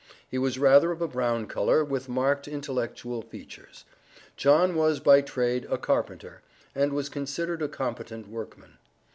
He was rather of a brown color, with marked intellectual features. John was by trade, a carpenter, and was considered a competent workman.